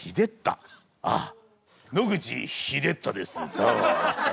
どうも。